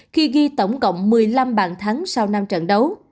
khi ghi tổng cộng một mươi năm bàn thắng sau năm trận đấu